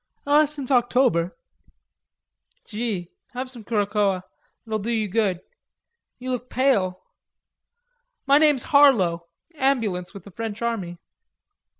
"Since October." "Gee.... Have some Curacoa. It'll do you good. You look pale.... My name's Henslowe. Ambulance with the French Army."